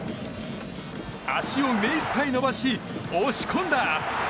足を目いっぱい伸ばし押し込んだ！